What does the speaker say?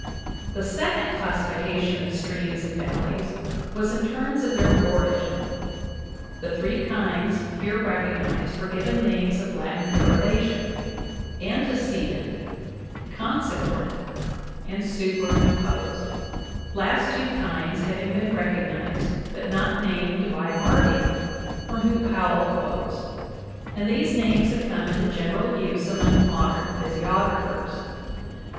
The second classification of streams and valleys was in terms of their origin ; the three kinds here recognized were given names of Latin derivation antecedent, consequent, and superimposed last two kinds having been recognized but not named by Mar vine, from whom Powell quotes; and these names have come into general use among modern physiographers.